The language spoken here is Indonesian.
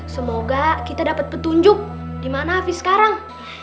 semoga kita dapat petunjuk di mana hafiz sekarang